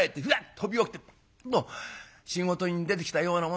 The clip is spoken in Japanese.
飛び起きてパッと仕事に出てきたようなもんでね。